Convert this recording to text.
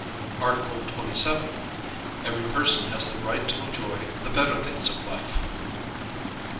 Article 27. Every person has the ri^ht to enjoy the better things of life.